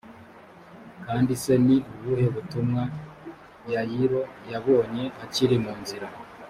kandi se ni ubuhe butumwa yayiro yabonye akiri mu nzira